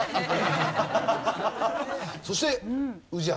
そして宇治原。